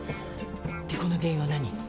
離婚の原因は何？